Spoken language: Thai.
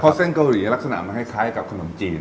เพราะเส้นเกาหลีลักษณะมันคล้ายกับขนมจีน